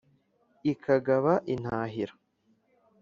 Ikagaba intahira.